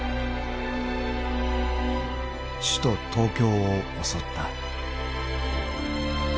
［首都東京を襲った］